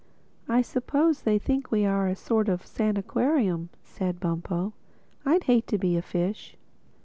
"I suppose they think we are a sort of sanaquarium," said Bumpo—"I'd hate to be a fish."